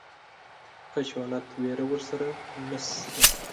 خشونت وېره ورسره نشته.